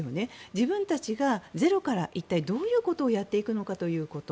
自分たちがゼロから一体どういうことをやっていくのかということ。